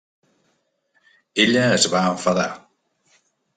Ella es va enfadar.